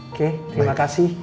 oke terima kasih